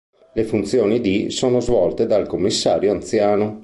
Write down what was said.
Le funzioni di sono svolte dal Commissario anziano.